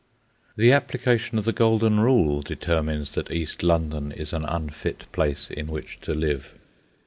The application of the Golden Rule determines that East London is an unfit place in which to live.